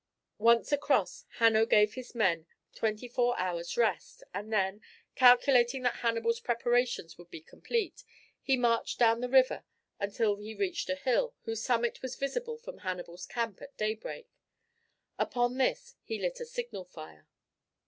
Once across Hanno gave his men twenty four hours' rest, and then, calculating that Hannibal's preparations would be complete, he marched down the river until he reached a hill, whose summit was visible from Hannibal's camp at daybreak. Upon this he lit a signal fire.